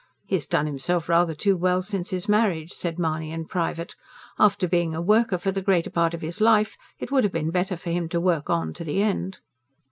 "He's done himself rather too well since his marriage," said Mahony in private. "After being a worker for the greater part of his life, it would have been better for him to work on to the end."